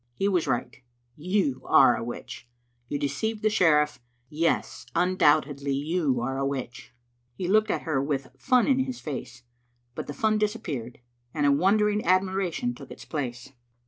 He was right; you are a witch. You de ceived the sheriff; yes, undoubtedly you are a witch." He looked at her with fun in his face, but the fun disappeared, and a wondering admiration took its place.